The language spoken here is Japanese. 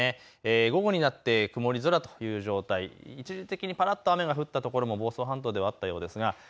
午後になって曇り空という状態、一時的にぱらっと雨が降った所も房総半島ではあったようです。